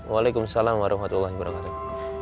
waalaikumsalam warahmatullahi wabarakatuh